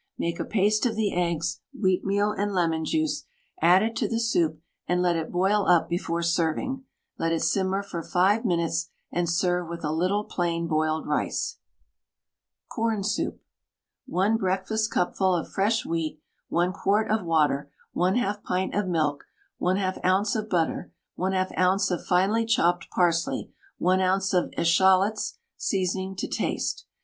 Make a paste of the eggs, wheatmeal, and lemon juice, add it to the soup and let it boil up before serving; let it simmer for 5 minutes, and serve with a little plain boiled rice. CORN SOUP. 1 breakfastcupful of fresh wheat, 1 quart of water, 1/2 pint of milk, 1/2 oz. of butter, 1/2 oz. of finely chopped parsley, 1 oz. of eschalots, seasoning to taste.